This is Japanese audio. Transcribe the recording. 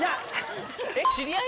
知り合い。